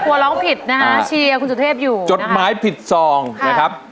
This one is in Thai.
ร้องผิดนะฮะเชียร์คุณสุเทพอยู่จดหมายผิดซองนะครับ